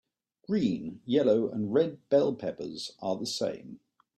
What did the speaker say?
Green, yellow and red bell peppers are the same.